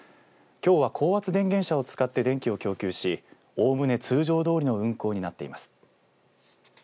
きょうは高圧電源車を使って電気を供給しおおむね通常どおりの運航になっています。